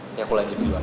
ini aku lanjut dulu aja